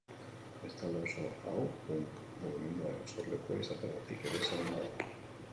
Bestalde, auzo hau Punk mugimenduaren sorlekua izateagatik ere ezaguna bada.